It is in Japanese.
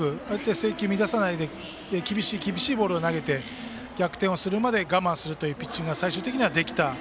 制球を乱さないで厳しいボールを投げて逆転をするまで我慢するというピッチングが最終的にできた。